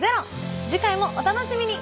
次回もお楽しみに。